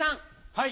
はい。